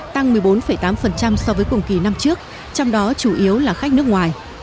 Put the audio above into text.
tăng một mươi bốn tám so với cùng kỳ năm trước trong đó chủ yếu là khách nước ngoài